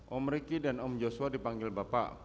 om riki dan om joshua dipanggil bapak